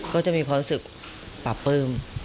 ก็จะมีความรู้สึกปราบปลื้ม